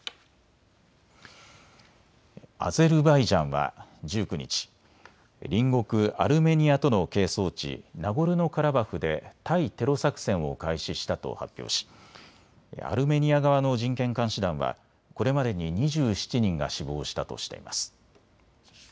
アゼルバイジャンは１９日、隣国アルメニアとの係争地、ナゴルノカラバフで対テロ作戦を開始したと発表しアルメニア側の人権監視団はこれまでに２７人が死亡したとしています。